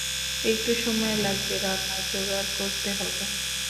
একটু সময় লাগবে, রান্নার জোগাড় করতে হবে।